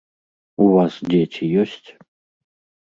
У вас дзеці ёсць?